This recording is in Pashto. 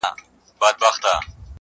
مینېږم زما فطرت عاشقانه دی،